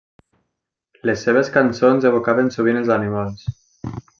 Les seves cançons evocaven sovint els animals.